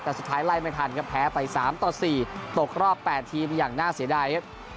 แต่สุดท้ายไล่ไม่ทันครับแพ้ไป๓ต่อ๔ตกรอบ๘ทีมอย่างน่าเสียดายครับ